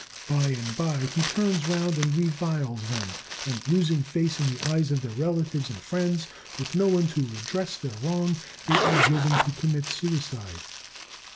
By and by he turns round upon and reviles them, and, losing face in the eyes of their relatives and friends, with no one to redress their wrong, they are driven to commit suicide.